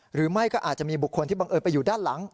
หรือไม่ก็อาจจะมีบุคคลที่บังเอิญไปอยู่ด้านหลัง